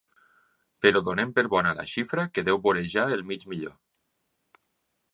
Però donem per bona la xifra que deu vorejar el mig milió.